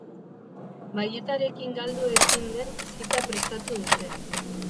Balletarekin galdu ezin den zita prestatu dute.